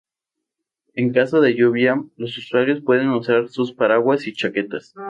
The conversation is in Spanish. En caso de lluvia, los usuarios pueden usar sus paraguas y chaquetas.